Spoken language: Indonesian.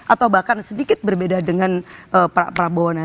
atau bahkan sedikit berbeda dengan pak prabowo